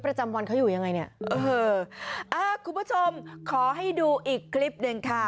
ประจำวันเขาอยู่ยังไงเนี่ยเอออ่าคุณผู้ชมขอให้ดูอีกคลิปหนึ่งค่ะ